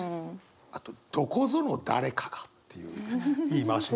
あと「どこぞの誰かが」っていう言い回しね。